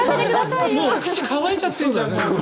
もう口、乾いちゃってるじゃん！